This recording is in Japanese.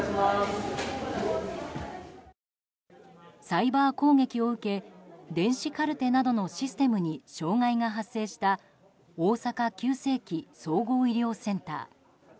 サイバー攻撃を受け電子カルテなどのシステムに障害が発生した大阪急性期・総合医療センター。